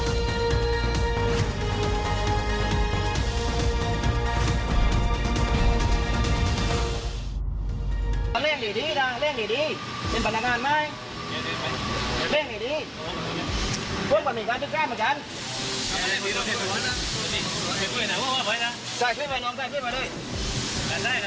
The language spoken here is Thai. สวัสดีครับสวัสดีครับ